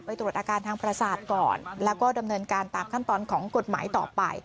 ตรวจอาการทางประสาทก่อนแล้วก็ดำเนินการตามขั้นตอนของกฎหมายต่อไป